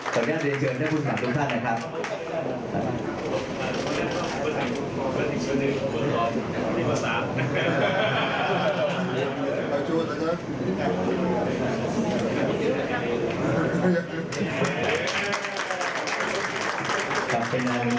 สวัสดีครับเดี๋ยวเชิญเจ้าคุณภาพรุษท่านนะครับ